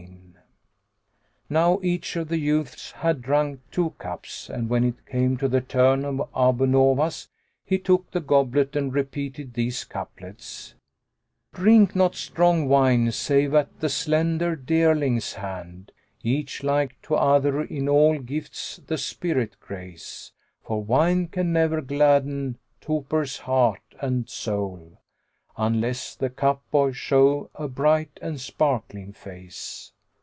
"[FN#94] Now each of the youths had drunk two cups, and when it came to the turn of Abu Nowas, he took the goblet and repeated these couplets, "Drink not strong wine save at the slender dearling's hand; * Each like to other in all gifts the spirt grace: For wine can never gladden toper's heart and soul, * Unless the cup boy show a bright and sparkling face."